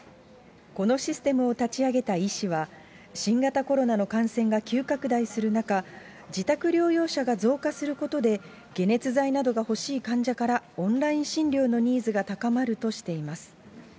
このシステムを立ち上げた医師は、新型コロナの感染が急拡大する中、自宅療養者が増加することで、解熱剤などが欲しい患者から、オンライン診療のニーズが高まるとしています。